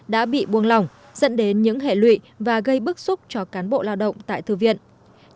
đã bị buông lỏng dẫn đến những hệ lụy và gây bức xúc cho cán bộ lao động tại thư viện